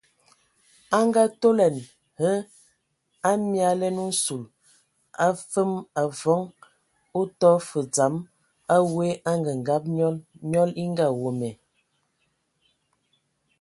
A ngaatolɛn hə,a miamlɛn nsul o afəm avɔŋ o tɔ fə dzam a we angəngab nyɔl, nyɔl e ngaweme.